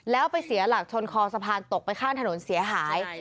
แล้วไปเสียหลักชนคอสะพานตกไปข้างถนนเสียหาย